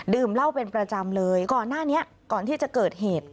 เหล้าเป็นประจำเลยก่อนหน้านี้ก่อนที่จะเกิดเหตุ